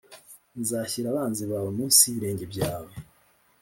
Nzashyira abanzi bawe munsi yibirenge byawe